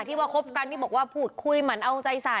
ว่าคบกันที่บอกว่าพูดคุยหมั่นเอาใจใส่